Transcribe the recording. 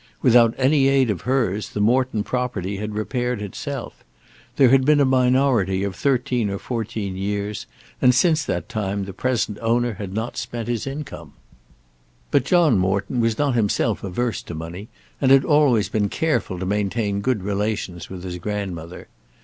Without any aid of hers the Morton property had repaired itself. There had been a minority of thirteen or fourteen years, and since that time the present owner had not spent his income. But John Morton was not himself averse to money, and had always been careful to maintain good relations with his grandmother.